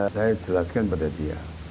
saya jelaskan pada dia